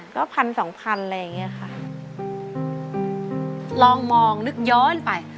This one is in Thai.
ก็พันสองพันอะไรอย่างเงี้ยค่ะลองมองนึกย้อนไป